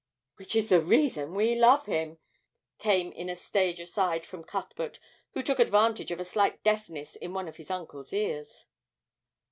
'Which is the reason we love him,' came in a stage aside from Cuthbert, who took advantage of a slight deafness in one of his uncle's ears.